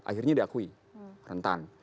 akhirnya diakui rentan